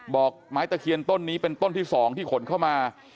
บอกไม้ตะเคียนต้นนี้เป็นต้นที่๒ที่ขนเข้ามา